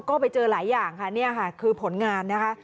ก็ไปเจอหลายอย่างค่ะนี่ค่ะคือผลงานนะคะ